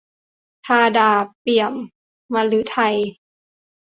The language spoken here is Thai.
ธาดา เปี่ยมฤทัย